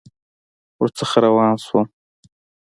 ورڅخه روان شوم.